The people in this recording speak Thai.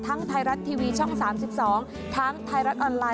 ทั้งไทรัตรทีวีช่องสามสิบสองทั้งไทรัตรออนไลน์